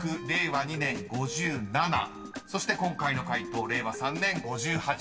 ［そして今回の解答令和３年５８と］